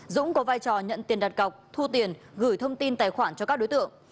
dũng có vai trò nhận tiền đặt cọc thu tiền gửi thông tin tài khoản cho các đối tượng